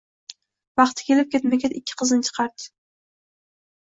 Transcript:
Vaqti kelib ketma-ket ikki qizini chiqardi.